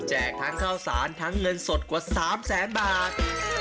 แจกทั้งข้าวสารและเงินสดกว่าซามแสนบาท